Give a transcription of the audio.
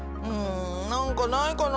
何かないかな。